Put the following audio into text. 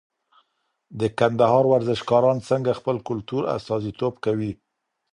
د کندهار ورزشکاران څنګه خپل کلتور استازیتوب کوي؟